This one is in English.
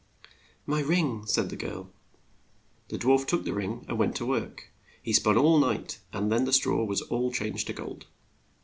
' "My ring," said the girl. The dwarf took the ring and went to work. He spun all night, and then the straw was all changed to gold.